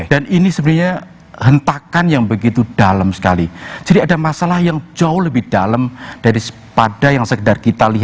dan ini sebenarnya hentakan yang begitu dalam sekali jadi ada masalah yang jauh lebih dalam dari pada yang sekedar kita lihat